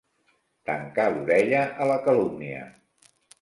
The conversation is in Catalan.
Tancar l'orella a la calúmnia.